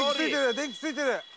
電気ついてる！